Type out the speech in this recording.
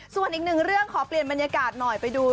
ส่วนอีกหนึ่งเรื่องขอเปลี่ยนบรรยากาศหน่อยไปดู